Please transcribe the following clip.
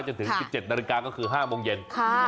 อยู่ถึง๗นก็คือ๕โมงเย็น